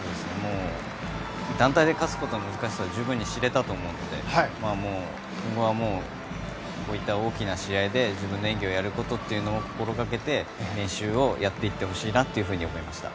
団体で勝つことの難しさは十分に知れたと思うのでこういった大きな試合で自分の演技をやることを心がけて練習をやっていってほしいなと思いました。